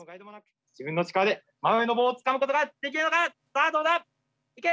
自分の力で真上の棒をつかむことができるのか⁉さあどうだ⁉いけ！